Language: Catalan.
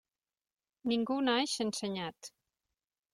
Ningú naix ensenyat.